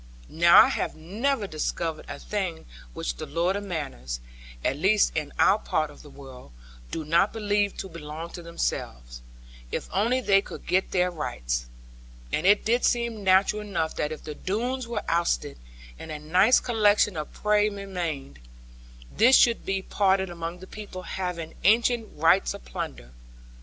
Now I have never discovered a thing which the lords of manors (at least in our part of the world) do not believe to belong to themselves, if only they could get their rights. And it did seem natural enough that if the Doones were ousted, and a nice collection of prey remained, this should be parted among the people having ancient rights of plunder.